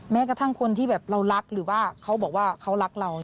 แม้กระทั่งคนที่แบบเรารักหรือว่าเขาบอกว่าเขารักเรา